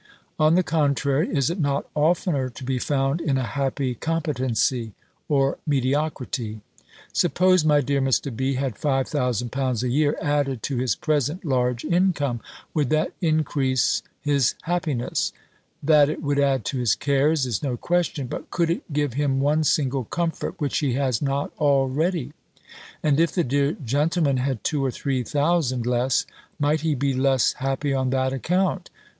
On the contrary, is it not oftener to be found in a happy competency or mediocrity? Suppose my dear Mr. B. had five thousand pounds a year added to his present large income, would that increase his happiness? That it would add to his cares, is no question; but could it give him one single comfort which he has not already? And if the dear gentleman had two or three thousand less, might he be less happy on that account?